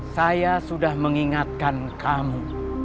saya sudah mengingatkan kamu